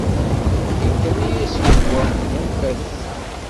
Akken kan i as-yehwa, anef-as.